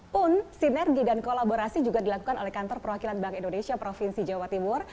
pun sinergi dan kolaborasi juga dilakukan oleh kantor perwakilan bank indonesia provinsi jawa timur